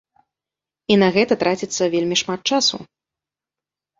І на гэта траціцца вельмі шмат часу.